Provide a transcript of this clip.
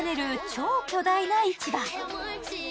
超巨大な市場。